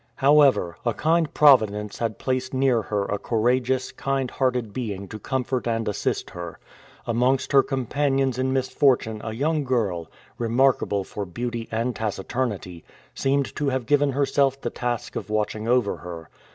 However, a kind Providence had placed near her a courageous, kind hearted being to comfort and assist her. Amongst her companions in misfortune a young girl, remarkable for beauty and taciturnity, seemed to have given herself the task of watching over her.